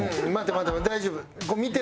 待て待て大丈夫。